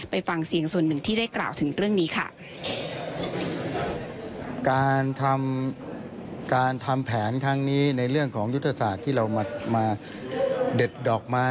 ไปฟังเสียงส่วนหนึ่งที่ได้กล่าวถึงเรื่องนี้ค่ะ